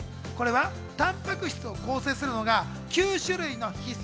たんぱく質を構成するのが９種類の必須